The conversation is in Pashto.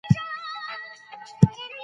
قلم وکاروه.